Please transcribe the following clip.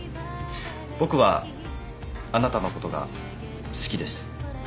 僕はあなたのことが好きです。